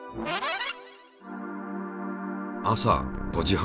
朝５時半。